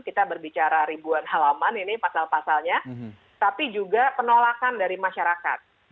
kita berbicara ribuan halaman ini pasal pasalnya tapi juga penolakan dari masyarakat